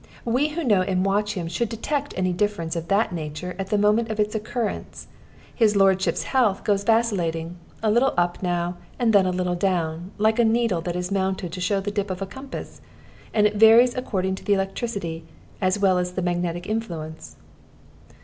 We who know and watch him should detect any difference of that nature at the moment of its occurrence. His lordship's health goes vacillating; a little up now, and then a little down, like a needle that is mounted to show the dip of compass; and it varies according to the electricity, as well as the magnetic influence."